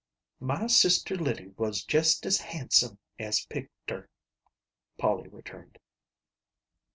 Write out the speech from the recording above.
" My sister Liddy was jest as handsome as a pictur'," Polly returned.